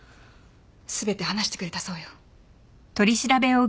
全て話してくれたそうよ。